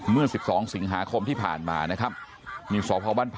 เมื่อ๑๒สิงหาคมที่ผ่านมานะครับ